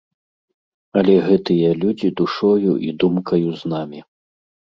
Але гэтыя людзі душою і думкаю з намі.